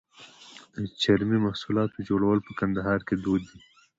د چرمي محصولاتو جوړول په کندهار کې دود دي.